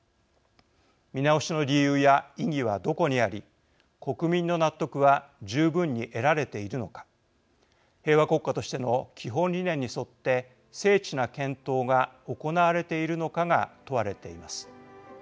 見直しの理由や意義はどこにあり国民の納得は十分に得られているのか平和国家としての基本理念に沿って精緻な検討が行われているのかが問われています。